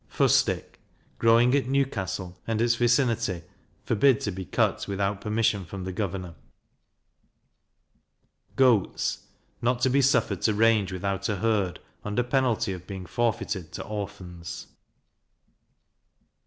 Fustic growing at Newcastle, and its vicinity, forbid to be cut without permission from the governor. Goats not to be suffered to range without a herd, under penalty of being forfeited to Orphans.